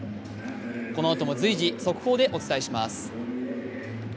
このあとも随時、速報でお伝えします。